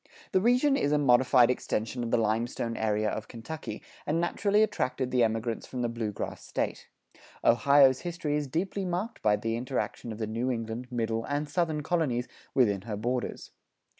The region is a modified extension of the limestone area of Kentucky, and naturally attracted the emigrants from the Blue Grass State. Ohio's history is deeply marked by the interaction of the New England, Middle, and Southern colonies within her borders.